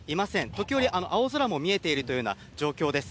時折青空も見えているというような状況です。